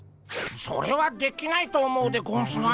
それはできないと思うでゴンスが。